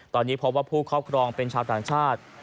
ตอนนี้พบว่าผู้ครอบครองเป็นชาวต่างชาติ